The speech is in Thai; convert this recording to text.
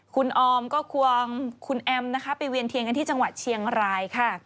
คุณออมก็ควงคุณแอมนะคะไปเวียนเทียนกันที่จังหวัดเชียงรายค่ะ